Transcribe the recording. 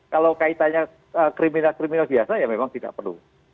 kalau kaitannya kriminal kriminal biasa ya memang tidak perlu